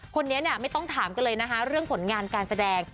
คนนี้ไม่ต้องถามกันเลยเรื่องผลงานการแสดง